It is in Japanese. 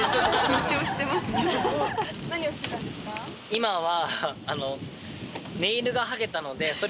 今は。